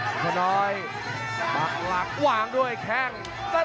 ต้องบอกว่าคนที่จะโชคกับคุณพลน้อยสภาพร่างกายมาต้องเกินร้อยครับ